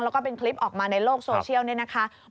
แล้วก็เป็นคลิปออกมาในโลกโซเชียลนะคะครับ